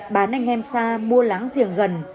bán anh em xa mua láng giềng gần